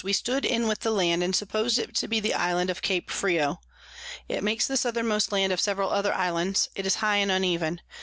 we stood in with the Land, and suppos'd it to be the Island of Cape Frio. It makes the Southermost Land of several other Islands; is high and uneven.